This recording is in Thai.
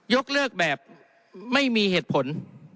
ยกเลิกแบบไม่มีเหตุผล